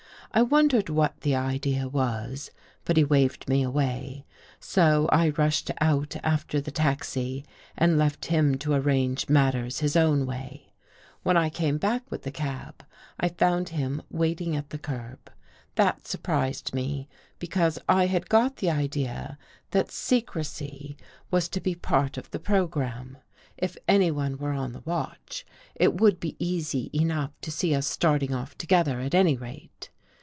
I wondered what the idea was, but he waved me away, so I rushed out after the taxi and left him to arrange matters his own way. When I came back with the cab, I found him waiting at the curb. That surprised me, because I had got the idea that secrecy was to be part of the 198 A NIGHT RIDE program. If anyone were on the watch, it would be easy enough to see us starting off together, at any rate.